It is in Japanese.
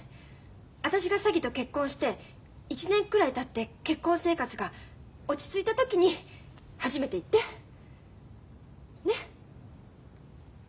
私が詐欺と結婚して一年くらいたって結婚生活が落ち着いた時に初めて言って。ね？